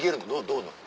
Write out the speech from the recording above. どうなの？